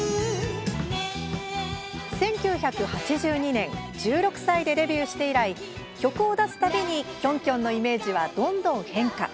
１９８２年１６歳でデビューして以来曲を出すたびにキョンキョンのイメージはどんどん変化。